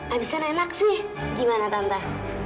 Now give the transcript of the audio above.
abisan enak sih gimana tante